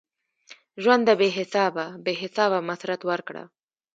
ژونده بی حسابه ؛ بی حسابه مسرت ورکړه